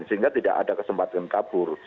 sehingga tidak ada kesempatan kabur